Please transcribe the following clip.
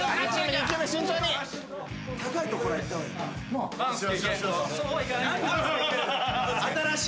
高いところいった方がいい。